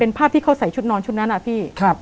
เป็นภาพที่เขาใส่ชุดนอนชุดนั้นอะพี่